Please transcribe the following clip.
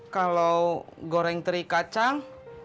kalau goreng teri kacang